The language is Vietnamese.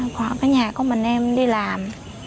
còn cái nhà có mình em đi làm